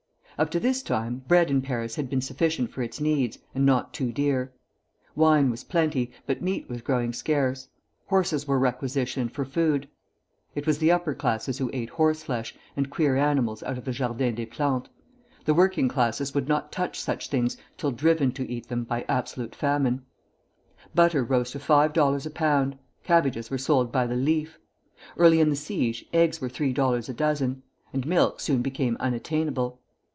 Up to this time bread in Paris had been sufficient for its needs, and not too dear. Wine was plenty, but meat was growing scarce. Horses were requisitioned for food. It was the upper classes who ate horse flesh and queer animals out of the Jardin des Plantes; the working classes would not touch such things till driven to eat them by absolute famine. Butter rose to five dollars a pound, cabbages were sold by the leaf. Early in the siege, eggs were three dollars a dozen, and milk soon became unattainable.